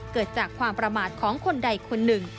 เกิดจากความประมาทของคนใดคนหนึ่ง